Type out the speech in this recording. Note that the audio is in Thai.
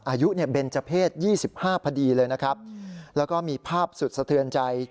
อายุเนี่ยเบนเจอร์เพศ๒๕พอดีเลยนะครับแล้วก็มีภาพสุดสะเทือนใจ